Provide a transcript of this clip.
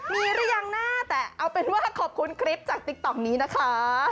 มีหรือยังนะแต่เอาเป็นว่าขอบคุณคลิปจากติ๊กต๊อกนี้นะคะ